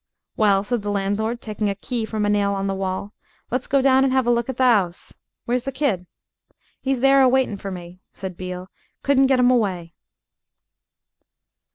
"Well," said the landlord, taking a key from a nail on the wall, "let's go down and have a look at the 'ouse. Where's the kid?" "'E's there awaitin' for me," said Beale; "couldn't get 'im away."